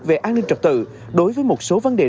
về an ninh trật tự đối với một số vấn đề